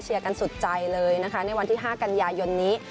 กันสุดใจเลยนะคะในวันที่๕กันยายนนี้